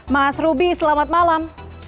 mas ruby selamat malam